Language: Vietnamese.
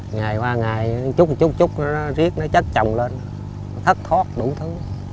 ngày qua ngày chút chút chút nó riết nó chất chồng lên thất thoát đủ thứ